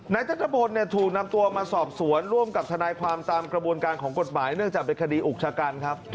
นัทธพลเนี่ยถูกนำตัวมาสอบสวนร่วมกับทนายความตามกระบวนการของกฎหมายเนื่องจากเป็นคดีอุกชะกันครับ